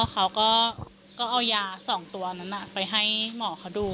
เขาก็เอายา๒ตัวนั้นไปให้หมอเขาดู